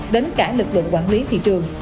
đến cả lực lượng quản lý thị trường